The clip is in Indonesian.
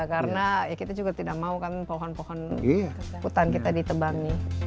karena kita juga tidak mau kan pohon pohon hutan kita ditebang